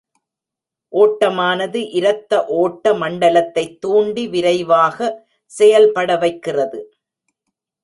ஒட்டமானது இரத்த ஓட்ட மண்டலத்தைத் தூண்டி, விரைவாக செயல்பட வைக் கிறது.